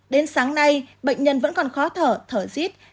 đến sáng nay bệnh nhân vẫn còn khó thở thở rít